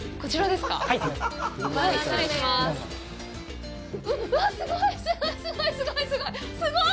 すごい！